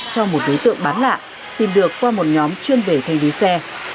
cho một đối tượng bán lạ tìm được qua một nhóm chuyên về thanh lý xe